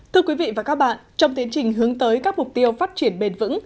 thưa quý vị và các bạn trong tiến trình hướng tới các mục tiêu phát triển bền vững